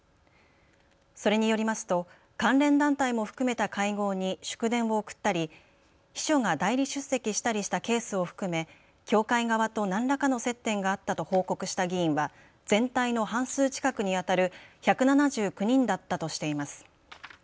それによりますと関連団体も含めた会合に祝電を送ったり秘書が代理出席したりしたケースを含め教会側と何らかの接点があったと報告した議員は全体の半数近くにあたる１７９人だったとしています。